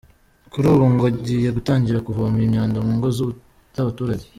Kuri ubu ngo agiye gutangira kuvoma iyi myanda mu ngo z’ abaturage.